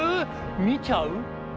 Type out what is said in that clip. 見ちゃう？